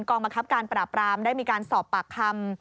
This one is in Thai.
บังคับการปราบรามได้มีการสอบปากคำ